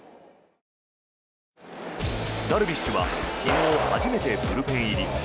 ダルビッシュは昨日、初めてブルペン入り。